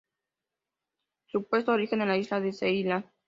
Supuesto origen en la isla de Ceilán.